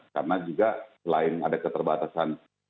karena juga lain ada keterbatasan